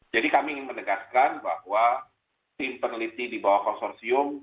jadi kami ingin menegaskan bahwa tim peneliti di bawah konsorsium